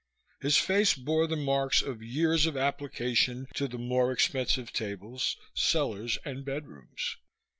His face bore the marks of years of application to the more expensive tables, cellars and bedrooms.